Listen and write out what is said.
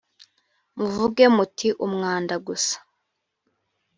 muvuge muti umwanda gusa